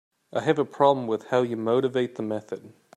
I have a problem with how you motivate the method.